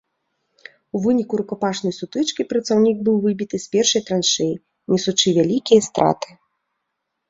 У выніку рукапашнай сутычкі праціўнік быў выбіты з першай траншэі, нясучы вялікія страты.